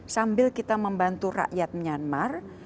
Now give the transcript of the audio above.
sambil kita membantu rakyat myanmar